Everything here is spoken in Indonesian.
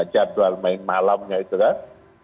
jadwal main malamnya itu kan